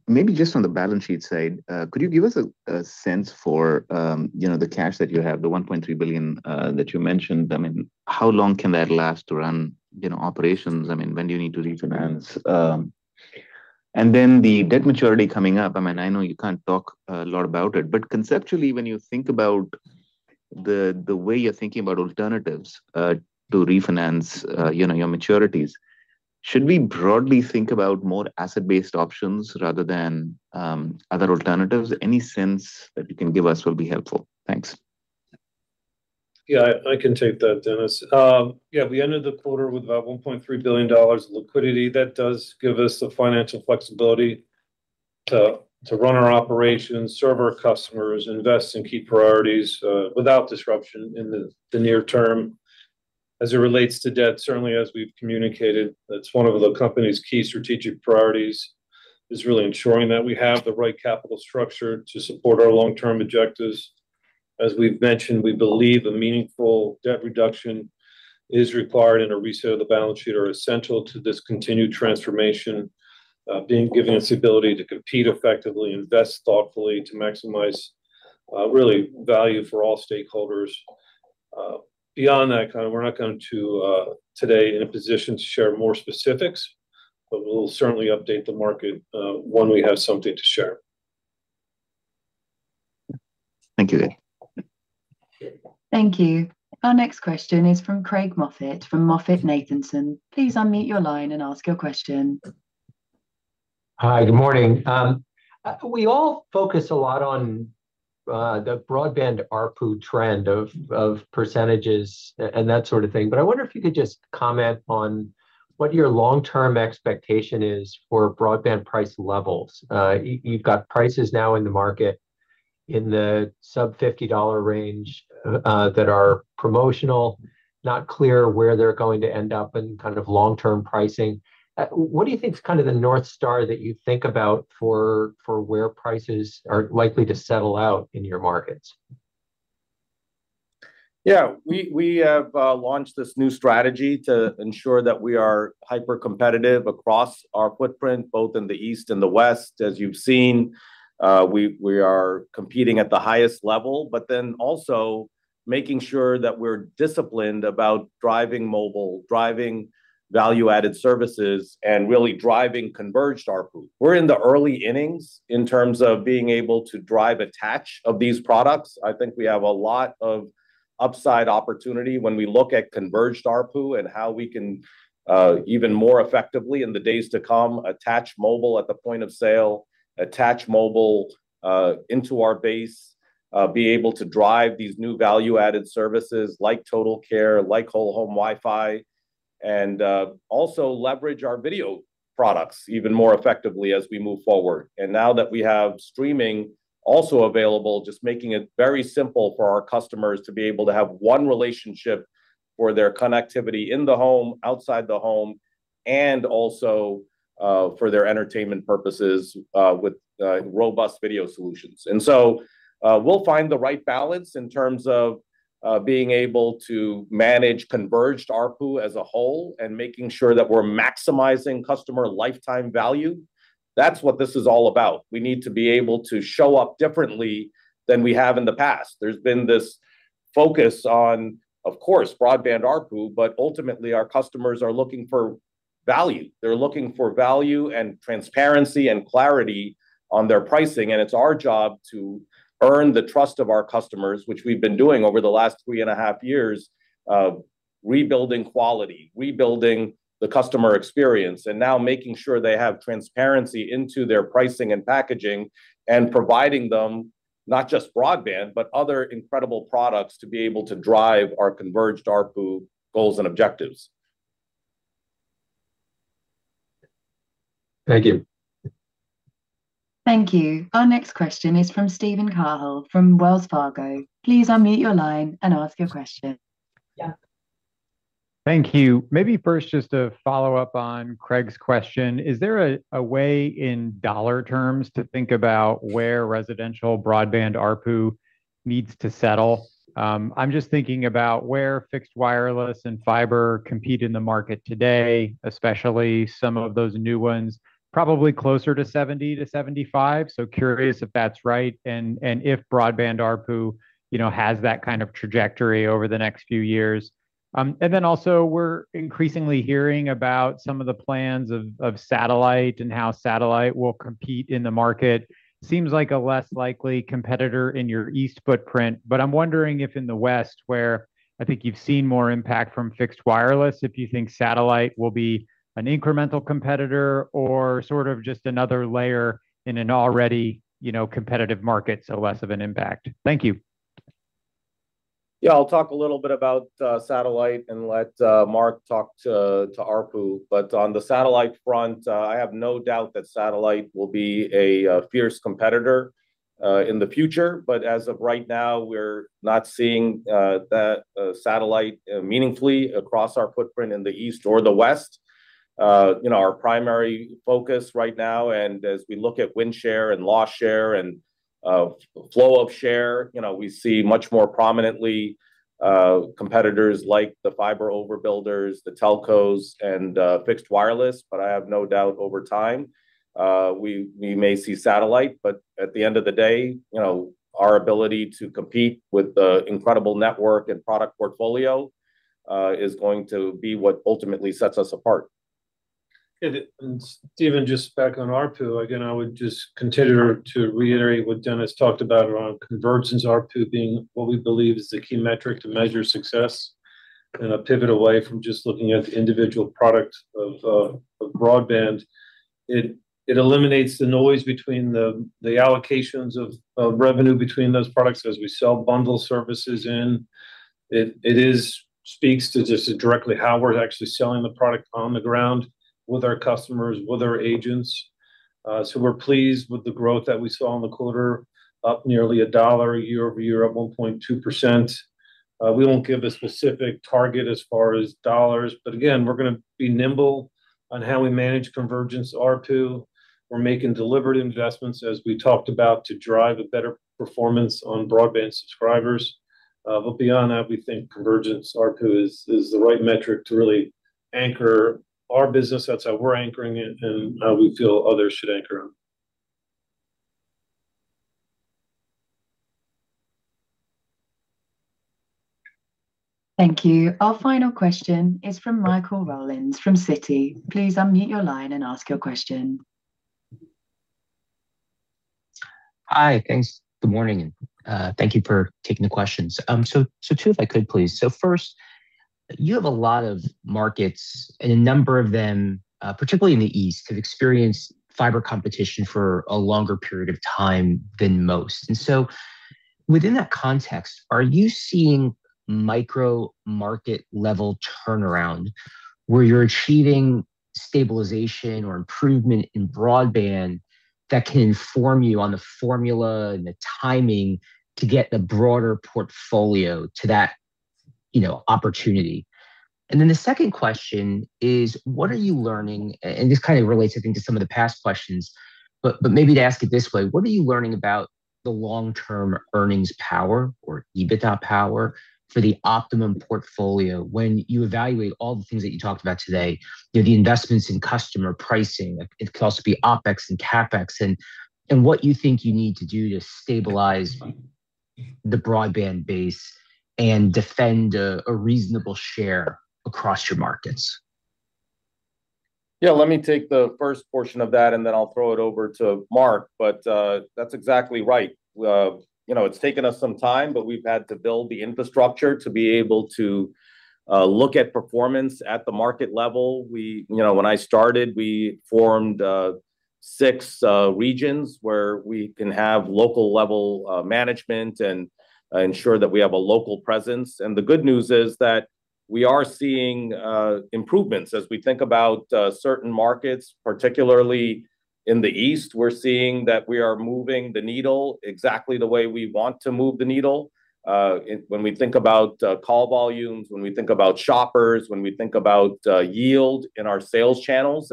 Maybe just on the balance sheet side, could you give us a sense for, you know, the cash that you have, the $1.3 billion that you mentioned? I mean, how long can that last to run, you know, operations? I mean, when do you need to refinance? Then the debt maturity coming up, I mean, I know you can't talk a lot about it. Conceptually, when you think about the way you're thinking about alternatives to refinance, you know, your maturities, should we broadly think about more asset-based options rather than other alternatives? Any sense that you can give us will be helpful. Thanks. Yeah, I can take that, Dennis. Yeah, we ended the quarter with about $1.3 billion liquidity. That does give us the financial flexibility to run our operations, serve our customers, invest in key priorities, without disruption in the near term. As it relates to debt, certainly as we've communicated, it's one of the company's key strategic priorities is really ensuring that we have the right capital structure to support our long-term objectives. As we've mentioned, we believe a meaningful debt reduction is required and a reset of the balance sheet are essential to this continued transformation, giving us the ability to compete effectively, invest thoughtfully to maximize, really value for all stakeholders. Beyond that, kind of, we're not going to today in a position to share more specifics, but we'll certainly update the market when we have something to share. Thank you. Thank you. Our next question is from Craig Moffett from MoffettNathanson. Please unmute your line and ask your question. Hi, good morning. We all focus a lot on the broadband ARPU trend of percentages and that sort of thing. I wonder if you could just comment on what your long-term expectation is for broadband price levels. You've got prices now in the market in the sub $50 range that are promotional, not clear where they're going to end up in kind of long-term pricing. What do you think is kind of the North Star that you think about for where prices are likely to settle out in your markets? Yeah. We have launched this new strategy to ensure that we are hyper-competitive across our footprint, both in the East and the West. As you've seen, we are competing at the highest level, also making sure that we're disciplined about driving mobile, driving value-added services, and really driving convergence ARPU. We're in the early innings in terms of being able to drive attach of these products. I think we have a lot of upside opportunity when we look at convergence ARPU and how we can even more effectively in the days to come attach mobile at the point of sale, attach mobile into our base, be able to drive these new value-added services like Optimum Total Care, like Optimum Whole Home Wi-Fi, also leverage our video products even more effectively as we move forward. Now that we have streaming also available, just making it very simple for our customers to be able to have one relationship for their connectivity in the home, outside the home, and also for their entertainment purposes with robust video solutions. We'll find the right balance in terms of being able to manage converged ARPU as a whole and making sure that we're maximizing customer lifetime value. That's what this is all about. We need to be able to show up differently than we have in the past. There's been this focus on, of course, broadband ARPU, but ultimately our customers are looking for value. They're looking for value and transparency and clarity on their pricing. It's our job to earn the trust of our customers, which we've been doing over the last three and a half years of rebuilding quality, rebuilding the customer experience, and now making sure they have transparency into their pricing and packaging, and providing them not just broadband, but other incredible products to be able to drive our converged ARPU goals and objectives. Thank you. Thank you. Our next question is from Steven Cahall from Wells Fargo. Please unmute your line and ask your question. Yeah. Thank you. Maybe first just to follow up on Craig's question, is there a way in dollar terms to think about where residential broadband ARPU needs to settle? I'm just thinking about where fixed wireless and fiber compete in the market today, especially some of those new ones, probably closer to $70-$75. Curious if that's right, and if broadband ARPU, you know, has that kind of trajectory over the next few years. Also, we're increasingly hearing about some of the plans of satellite and how satellite will compete in the market. Seems like a less likely competitor in your East footprint, but I'm wondering if in the West where I think you've seen more impact from fixed wireless, if you think satellite will be an incremental competitor or sort of just another layer in an already, you know, competitive market, so less of an impact. Thank you. I'll talk a little bit about satellite and let Marc talk to ARPU. On the satellite front, I have no doubt that satellite will be a fierce competitor in the future. As of right now, we're not seeing that satellite meaningfully across our footprint in the East or the West. You know, our primary focus right now and as we look at win share and loss share and flow of share, you know, we see much more prominently competitors like the fiber overbuilders, the telcos and fixed wireless. I have no doubt over time, we may see satellite, but at the end of the day, you know, our ability to compete with the incredible network and product portfolio is going to be what ultimately sets us apart. Steven, just back on ARPU, again, I would just continue to reiterate what Dennis talked about around convergence ARPU being what we believe is the key metric to measure success in a pivot away from just looking at the individual product of broadband. It, it eliminates the noise between the allocations of revenue between those products as we sell bundle services in. It speaks to just directly how we're actually selling the product on the ground with our customers, with our agents. We're pleased with the growth that we saw in the quarter, up nearly $1 year-over-year at 1.2%. We won't give a specific target as far as dollars, again, we're gonna be nimble on how we manage convergence ARPU. We're making deliberate investments, as we talked about, to drive a better performance on broadband subscribers. Beyond that, we think convergence ARPU is the right metric to really anchor our business. That's how we're anchoring it and how we feel others should anchor. Thank you. Our final question is from Michael Rollins from Citi. Please unmute your line and ask your question. Hi. Thanks. Good morning, thank you for taking the questions. Two if I could, please. First, you have a lot of markets and a number of them, particularly in the East, have experienced fiber competition for a longer period of time than most. Within that context, are you seeing micro-market level turnaround where you're achieving stabilization or improvement in broadband that can inform you on the formula and the timing to get the broader portfolio to that, you know, opportunity? The second question is, what are you learning and this kind of relates, I think, to some of the past questions, but maybe to ask it this way. What are you learning about the long-term earnings power or EBITDA power for the Optimum portfolio when you evaluate all the things that you talked about today? You know, the investments in customer pricing, it could also be OpEx and CapEx and what you think you need to do to stabilize the broadband base and defend a reasonable share across your markets. Yeah, let me take the first portion of that, and then I'll throw it over to Marc. That's exactly right. You know, it's taken us some time, but we've had to build the infrastructure to be able to look at performance at the market level. We, you know, when I started, we formed six regions where we can have local level management and ensure that we have a local presence. The good news is that we are seeing improvements as we think about certain markets, particularly in the East. We're seeing that we are moving the needle exactly the way we want to move the needle, when we think about call volumes, when we think about shoppers, when we think about yield in our sales channels.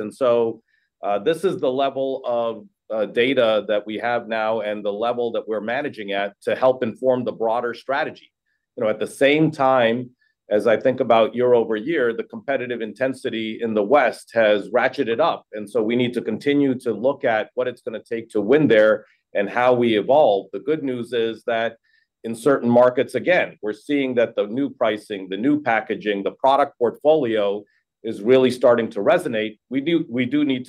This is the level of data that we have now and the level that we're managing at to help inform the broader strategy. You know, at the same time, as I think about year-over-year, the competitive intensity in the West has ratcheted up, we need to continue to look at what it's gonna take to win there and how we evolve. The good news is that in certain markets, again, we're seeing that the new pricing, the new packaging, the product portfolio is really starting to resonate. We do need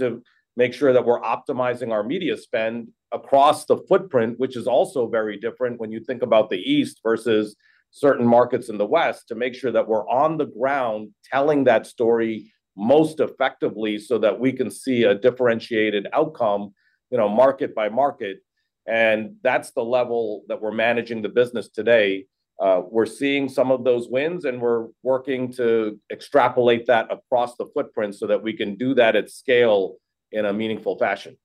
to make sure that we're optimizing our media spend across the footprint, which is also very different when you think about the East versus certain markets in the West, to make sure that we're on the ground telling that story most effectively so that we can see a differentiated outcome, you know, market by market. That's the level that we're managing the business today. We're seeing some of those wins, we're working to extrapolate that across the footprint so that we can do that at scale in a meaningful fashion.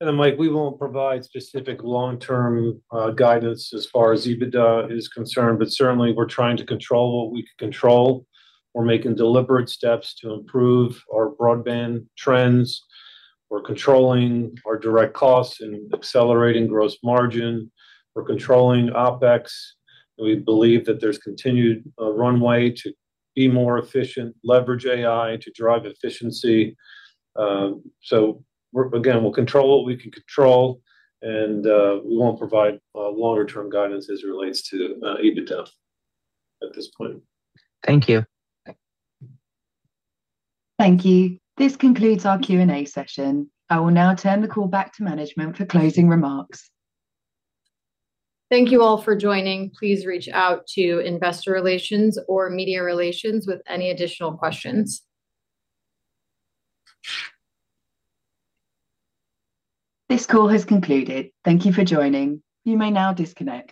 Mike, we won't provide specific long-term guidance as far as EBITDA is concerned, but certainly we're trying to control what we can control. We're making deliberate steps to improve our broadband trends. We're controlling our direct costs and accelerating gross margin. We're controlling OpEx. We believe that there's continued runway to be more efficient, leverage AI to drive efficiency. Again, we'll control what we can control and we won't provide longer term guidance as it relates to EBITDA at this point. Thank you. Thank you. This concludes our Q&A session. I will now turn the call back to management for closing remarks. Thank you all for joining. Please reach out to investor relations or media relations with any additional questions. This call has concluded. Thank you for joining. You may now disconnect.